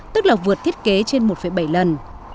tức là vượt thiết kế trên một bảy lần